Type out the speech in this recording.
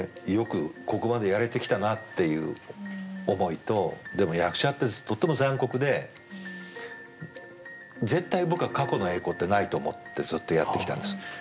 よくここまでやれてきたなっていう思いとでも役者ってとっても残酷で絶対僕は過去の栄光ってないと思ってずっとやってきたんです。